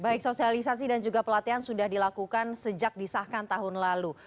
baik sosialisasi dan juga pelatihan sudah dilakukan sejak disahkan tahun lalu